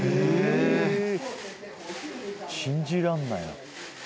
信じらんないな。